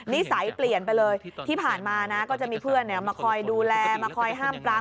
นิสัยเปลี่ยนไปเลยที่ผ่านมานะก็จะมีเพื่อนมาคอยดูแลมาคอยห้ามปราม